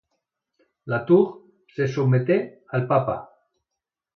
La Tour se sotmeté al Papa.